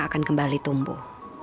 akan kembali tumbuh